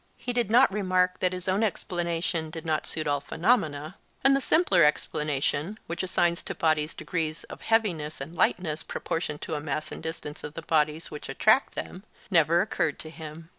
He did not remark that his own explanation did not suit all phenomena; and the simpler explanation, which assigns to bodies degrees of heaviness and lightness proportioned to the mass and distance of the bodies which attract them, never occurred to him.